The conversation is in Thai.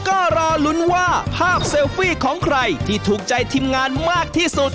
ก็รอลุ้นว่าภาพเซลฟี่ของใครที่ถูกใจทีมงานมากที่สุด